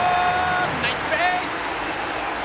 ナイスプレー！